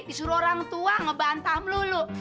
disuruh orang tua ngebantah melulu